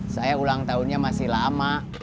saya ulang tahunnya masih lama